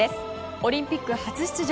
オリンピック初出場